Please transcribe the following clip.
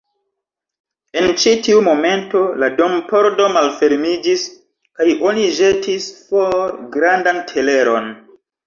En ĉi tiu momento la dompordo malfermiĝis, kaj oni ĵetis for grandan teleron.